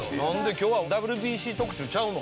今日はＷＢＣ特集ちゃうの？